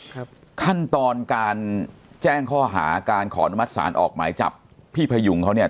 ขั้นตอนการแจ้งข้อหาการขออนุมัติศาลออกหมายจับพี่พยุงเขาเนี่ย